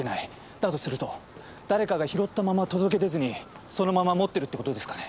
だとすると誰かが拾ったまま届け出ずにそのまま持ってるって事ですかね。